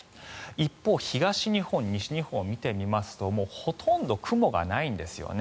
一方東日本、西日本を見てみますとほとんど雲がないんですよね。